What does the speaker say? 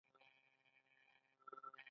آیا د طبیعي پیښو وزارت فعال دی؟